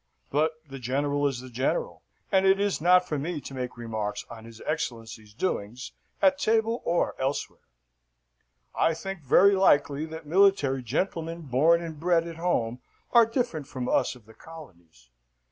"But the General is the General, and it is not for me to make remarks on his Excellency's doings at table or elsewhere. I think very likely that military gentlemen born and bred at home are different from us of the colonies.